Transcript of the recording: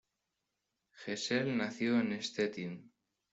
Hessel nació en Stettin.